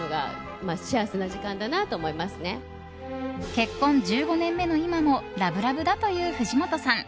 結婚１５年目の今もラブラブだという藤本さん。